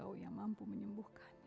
dulu akan boleh tersenyum